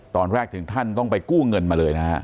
ตอนแรกถึงขั้นต้องไปกู้เงินมาเลยนะฮะ